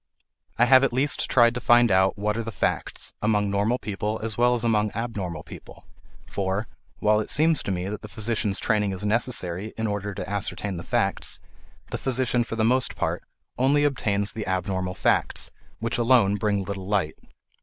I have at least tried to find out what are the facts, among normal people as well as among abnormal people; for, while it seems to me that the physician's training is necessary in order to ascertain the facts, the physician for the most part only obtains the abnormal facts, which alone bring little light.